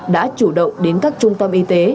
đã chủ động đến các trung tâm y tế